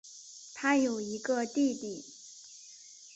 她有一个弟弟。